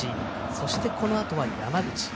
そして、このあとは山口。